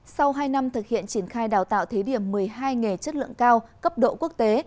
sau hai năm thực hiện triển khai đào tạo thế điểm một mươi hai nghề chất lượng cao cấp độ quốc tế